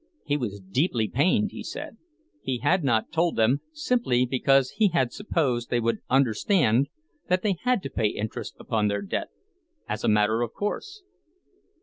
He was deeply pained, he said. He had not told them, simply because he had supposed they would understand that they had to pay interest upon their debt, as a matter of course.